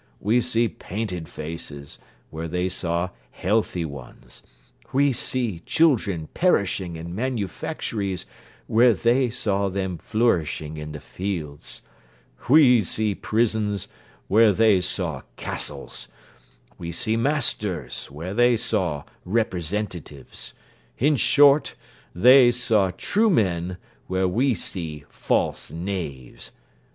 We see painted faces, where they saw healthy ones. We see children perishing in manufactories, where they saw them flourishing in the fields. We see prisons, where they saw castles. We see masters, where they saw representatives. In short, they saw true men, where we see false knaves.